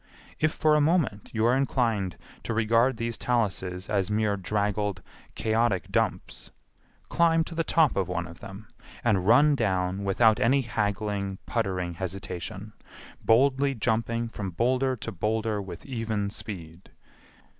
If for a moment you are inclined to regard these taluses as mere draggled, chaotic dumps, climb to the top of one of them, and run down without any haggling, puttering hesitation, boldly jumping from boulder to boulder with even speed.